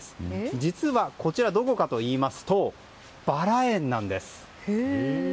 実はこちら、どこかといいますとバラ園なんです。